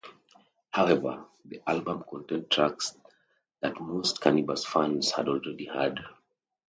However, the album contained tracks that most Canibus fans had already heard.